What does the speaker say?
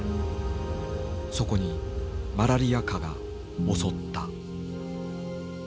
そこにマラリア蚊が襲った。